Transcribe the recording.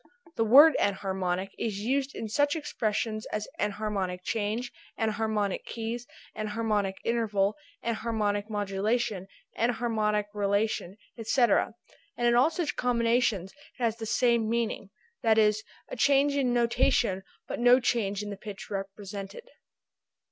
This word enharmonic is used in such expressions as enharmonic change, enharmonic keys, enharmonic interval, enharmonic modulation, enharmonic relation, etc., and in all such combinations it has the same meaning, viz. a change in notation but no change in the pitch represented.